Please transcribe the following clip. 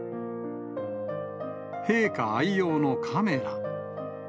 陛下愛用のカメラ。